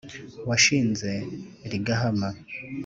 washinze rigahama